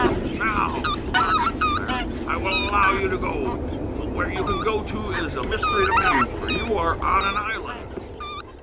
"Now," said the pirate, "I will allow you to go. But where you can go to is a mystery to me, for you are on an island."